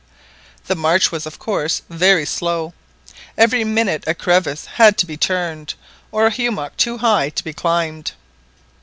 The march was of course very slow. Every minute a crevasse had to be turned, or a hummock too high to be climbed.